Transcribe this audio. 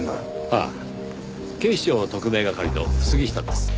ああ警視庁特命係の杉下です。